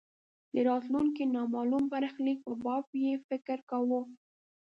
د راتلونکې نامالوم برخلیک په باب یې فکر کاوه.